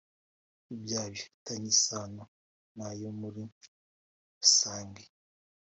ibyaha bifitanye isano na yo muri rusange